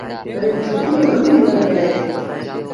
تڏهيݩ ڇوڪريٚ وڏيٚ رڙ ڪيآݩدي